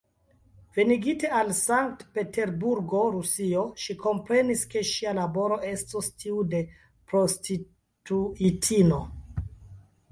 Venigite al Sankt-Peterburgo, Rusio, ŝi komprenis, ke ŝia laboro estos tiu de prostituitino.